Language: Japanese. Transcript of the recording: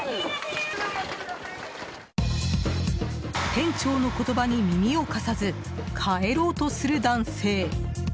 店長の言葉に耳を貸さず帰ろうとする男性。